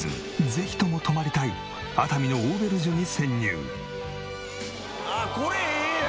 ぜひとも泊まりたい熱海のオーベルジュに潜入。